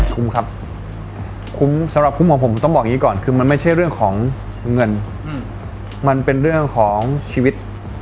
ครับคุ้มสำหรับคุ้มของผมต้องบอกอย่างนี้ก่อนคือมันไม่ใช่เรื่องของเงินมันเป็นเรื่องของชีวิต